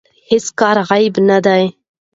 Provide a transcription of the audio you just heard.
هیڅ کار عیب نه دی.